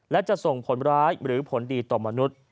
และจะส่งผลร้ายหรือผลดีต่อมนุษย์